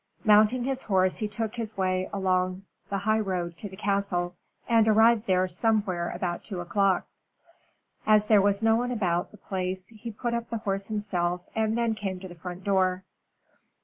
Mounting his horse he took his way along the high road to the castle, and arrived there somewhere about two o'clock. As there was no one about the place he put up the horse himself, and then came to the front door.